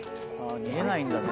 逃げないんだね。